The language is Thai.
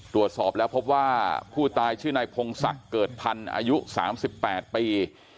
ตรวจสอบแล้วพบว่าผู้ตายชื่อนายพงศักดิ์เกิดพันธุ์อายุ๓๘ปี